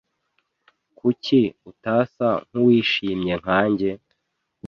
Kuki utasa nkuwishimye nkanjye?